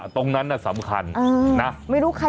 ตรงนั้นน่ะสำคัญนะ